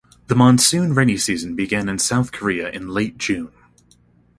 The monsoon rainy season began in South Korea in late June.